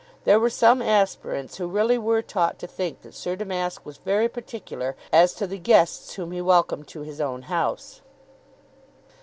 There were some aspirants who really were taught to think that Sir Damask was very particular as to the guests whom he welcomed to his own house.